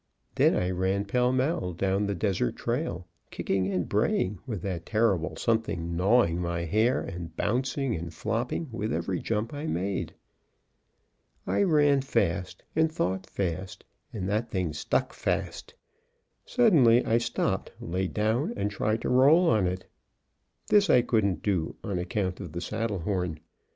Then I ran pell mell down the desert trail, kicking and braying, with that terrible something gnawing my hair and bouncing and flopping with every jump I made. I ran fast and thought fast, and that thing stuck fast. Suddenly, I stopped, laid down, and tried to roll on it. This I couldn't do, on account of the saddle horn.